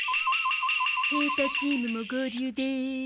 平太チームも合流です。